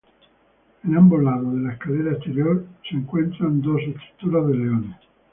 En ambos lados de la escalera exterior se encuentran dos estatuas de leones.